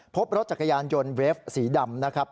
พบรถจักรยานยนต์เวฟสีดำนะครับ